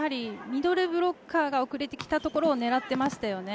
ミドルブロッカーが遅れてきたところを狙ってましたよね。